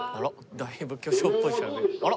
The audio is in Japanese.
だいぶ巨匠っぽいしゃべり。